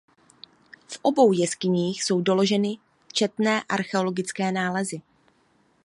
V obou jeskyních jsou doloženy četné archeologické nálezy.